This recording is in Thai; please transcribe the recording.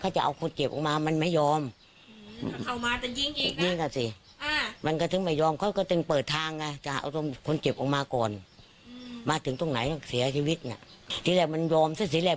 จนทนพิษบัติและไม่ไหวเสียชีวิตในที่สุด